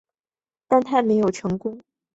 但它没有成功。